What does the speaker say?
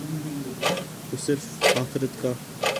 تو صرف آخرت کا۔